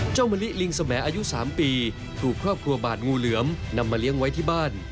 มะลิลิงสมัยอายุ๓ปีถูกครอบครัวบาดงูเหลือมนำมาเลี้ยงไว้ที่บ้าน